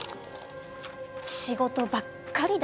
仕事ばっかりだ。